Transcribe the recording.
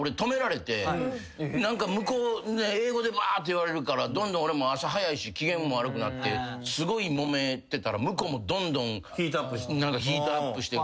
英語でばーっと言われるからどんどん俺も朝早いし機嫌も悪くなってすごいもめてたら向こうもどんどんヒートアップして。